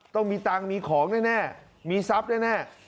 ต้องมีตังค์มีของแน่มีทรัพย์แน่